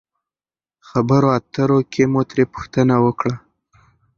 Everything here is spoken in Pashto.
خبرو اترو کښې مو ترې پوښتنه وکړه